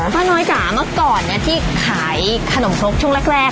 พ่อน้อยจ้ะมาก่อนที่ขายขนมครกช่วงแรก